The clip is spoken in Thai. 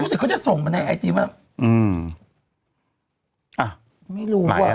รู้สึกเขาจะส่งมาในไอจีว่าอืมอ่ะไม่รู้ว่ะ